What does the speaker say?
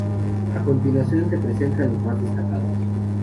A continuación se presentan los más destacados.